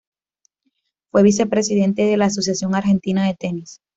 Fue vicepresidente de la Asociación Argentina de Tenis.